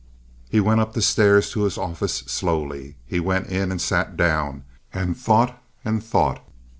He went up the stairs to his own office slowly. He went in and sat down, and thought and thought.